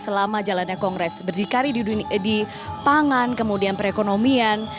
selama jalannya kongres berdikari di pangan kemudian perekonomian